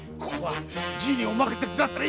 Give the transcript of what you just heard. じいにお任せください。